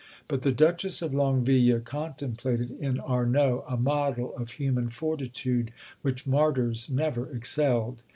But the Duchess of Longueville contemplated in Arnauld a model of human fortitude which martyrs never excelled.